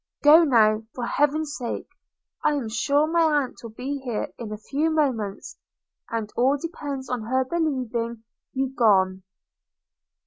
Go, now, for heaven's sake! – I am sure my aunt will be here in a few moments: and all depends upon her believing you gone.'